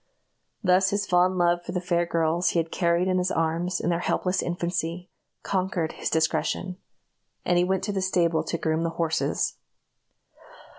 Thus his fond love for the fair girls he had carried in his arms in their helpless infancy, conquered his discretion; and he went to the stable to groom the horses.